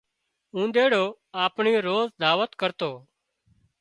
اونۮيڙو آپڻي روز دعوت ڪرتو